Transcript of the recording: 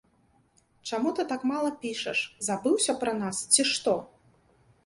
Чаму ты гэтак мала пішаш, забыўся пра нас, ці што?